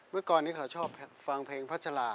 เมื่อก่อนนี้เขาชอบฟังเพลงพัชรา